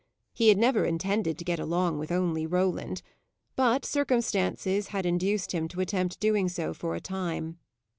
He had never intended to get along with only Roland, but circumstances had induced him to attempt doing so for a time.